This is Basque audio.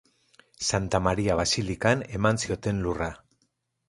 Santa Maria basilikan eman zioten lurra.